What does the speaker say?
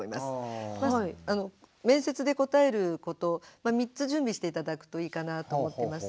面接で答えること３つ準備して頂くといいかなと思ってます。